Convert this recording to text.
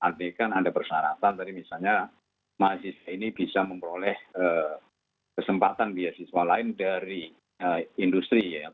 artinya kan ada persyaratan tadi misalnya mahasiswa ini bisa memperoleh kesempatan beasiswa lain dari industri ya